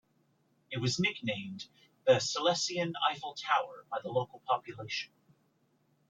It was nicknamed "the Silesian Eiffel Tower" by the local population.